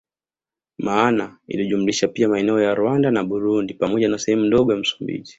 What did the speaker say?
Maana ilijumlisha pia maeneo ya Rwanda na Burundi pamoja na sehemu ndogo ya Msumbiji